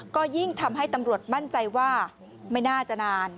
ก็ยิ่งทำให้ตำรวจมั่นใจว่าไม่น่าจะนาน